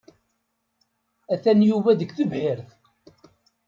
Atan Yuba deg tebḥirt.